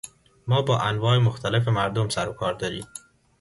ما با انواع مختلف مردم سر و کار داریم.